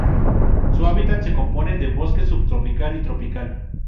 Su hábitat se compone de bosque subtropical y tropical.